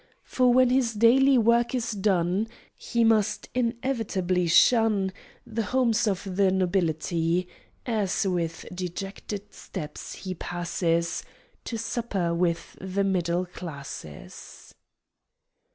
For when his daily work is done, He must inevitably shun The homes of the Nobility, As, with dejected steps, he passes To supper with the middle classes!